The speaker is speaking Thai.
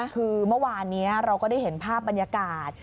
คือเมื่อวานนี้เราก็ได้เห็นภาพบรรยากาศ